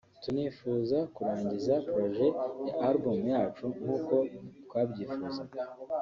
tunifuza kurangiza projet ya Album yacu nk’uko twabyifuzaga